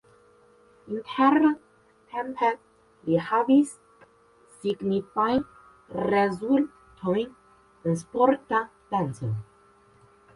Interrtempe li havis signifajn rezultojn en sporta danco.